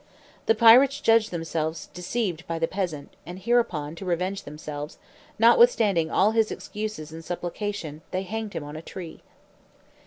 The pirates judged themselves deceived by the peasant, and hereupon, to revenge themselves, notwithstanding all his excuses and supplication, they hanged him on a tree.